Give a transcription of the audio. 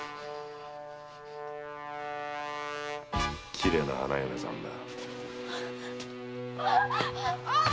きれいな花嫁さんだ。